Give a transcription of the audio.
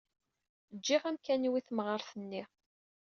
Ǧǧiɣ amkan-iw i temɣart-nni.